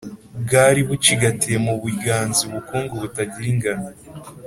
bwari bucigatiye mu biganza ubukungu butagira ingano.